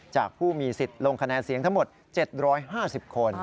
ผู้มีสิทธิ์ลงคะแนนเสียงทั้งหมด๗๕๐คน